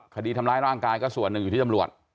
คดีทำร้ายร่างกายก็ส่วนหนึ่งอยู่ที่ตำรวจ